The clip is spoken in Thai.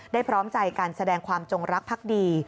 พร้อมใจการแสดงความจงรักพักดี